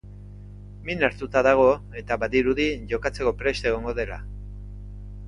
Min hartuta dago eta badirudi jokatzeko prest egongo dela.